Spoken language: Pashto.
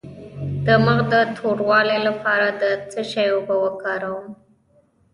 د مخ د توروالي لپاره د څه شي اوبه وکاروم؟